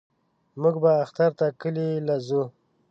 موږ به اختر ته کلي له زو.